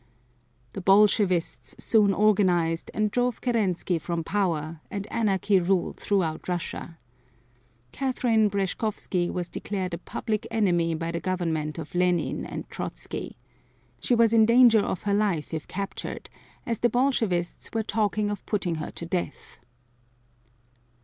The Bolshevists soon organized and drove Kerensky from power, and anarchy ruled throughout Russia. Catherine Breshkovsky was declared a public enemy by the Government of Lenine and Trotsky. She was in danger of her life if captured, as the Bolshevists were talking of putting her to death.